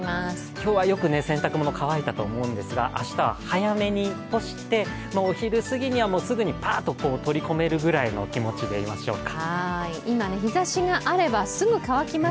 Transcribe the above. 今日はよく洗濯物、乾いたと思うんですが明日は早めに干して、お昼すぎにはすぐにパーッと取り込めるぐらいの気持ちでいましょうか。